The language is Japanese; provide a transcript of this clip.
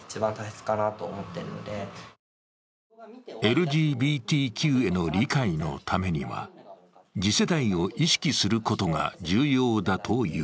ＬＧＢＴＱへの理解のためには次世代を意識することが重要だという。